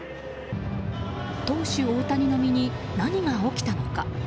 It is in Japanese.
投手・大谷の身に何が起きたのか。